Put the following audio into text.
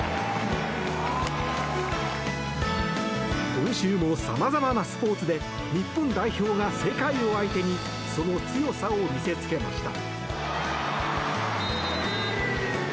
今週も様々なスポーツで日本代表が世界を相手にその強さを見せつけました。